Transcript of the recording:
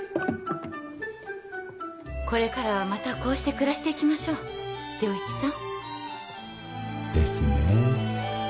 これからはまたこうして暮らしていきましょう良一さんですね